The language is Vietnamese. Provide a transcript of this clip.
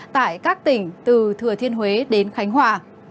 tại các tỉnh từ thừa thiên huế đến khánh hòa